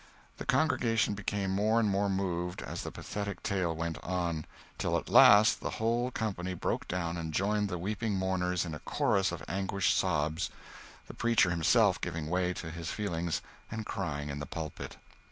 The congregation became more and more moved, as the pathetic tale went on, till at last the whole company broke down and joined the weeping mourners in a chorus of anguished sobs, the preacher himself giving way to his feelings, and crying in the pulpit.